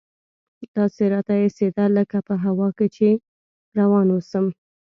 داسې راته اېسېده لکه په هوا کښې چې روان اوسم.